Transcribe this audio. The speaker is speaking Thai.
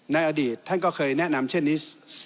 อดีตท่านก็เคยแนะนำเช่นนี้